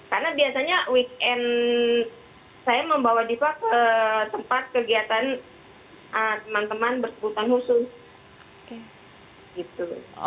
karena biasanya weekend saya membawa diva ke tempat kegiatan teman teman berkeputusan khusus